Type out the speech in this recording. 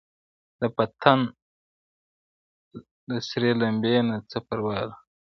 د پتڼ له سرې لمبې نه څه پروا ده!